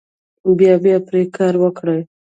بیا بیا پرې کار وکړئ.